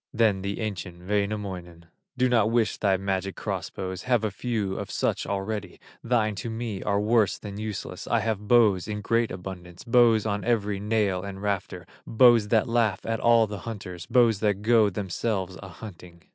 Then the ancient Wainamoinen: "Do not wish thy magic cross bows, Have a few of such already, Thine to me are worse than useless; I have bows in great abundance, Bows on every nail and rafter, Bows that laugh at all the hunters, Bows that go themselves a hunting."